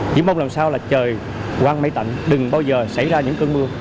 chỉ mong làm sao là trời quang mây tạnh đừng bao giờ xảy ra những cơn mưa